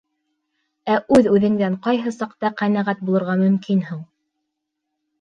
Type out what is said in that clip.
Ә үҙ-үҙеңдән ҡайһы саҡта ҡәнәғәт булырға мөмкин һуң?